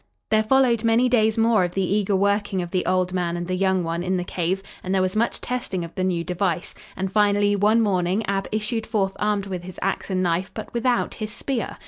There followed many days more of the eager working of the old man and the young one in the cave, and there was much testing of the new device, and finally, one morning, Ab issued forth armed with his ax and knife, but without his spear.